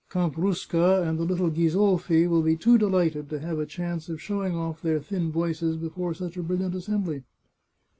Count Rusca and the little Ghisolfi will be too delighted to have a chance of showing off their thin voices before such a brilliant assembly."